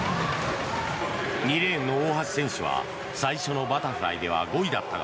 ２レーンの大橋選手は最初のバタフライでは５位だったが。